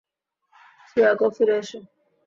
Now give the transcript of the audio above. Chiyoko, ফিরে এসো!